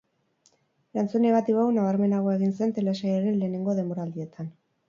Erantzun negatibo hau nabarmenagoa egin zen telesailaren lehenengo denboraldietan.